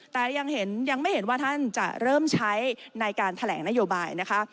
แต่ยังไม่เห็นว่าท่านจะเริ่มใช้ในการแถลงนโยบายนะคะ